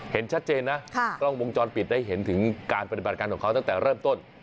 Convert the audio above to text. เห็นชัดเจนนะกล้องวงจรปิดได้เห็นถึงการปฏิบัติการของเขาตั้งแต่เริ่มต้น